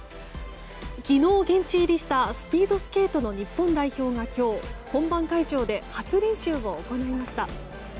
昨日、現地入りしたスピードスケートの日本代表が今日本番会場で初練習を行いました。